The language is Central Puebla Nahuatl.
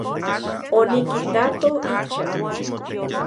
Onikitato ichan.